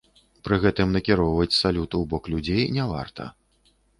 Пры гэтым накіроўваць салют у бок людзей не варта.